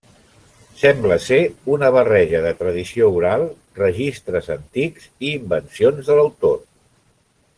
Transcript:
Sembla ser una barreja de tradició oral, registres antics i invencions de l'autor.